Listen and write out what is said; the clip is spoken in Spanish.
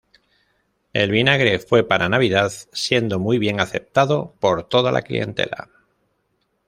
El vinagre fue para Navidad siendo muy bien aceptado por toda la clientela.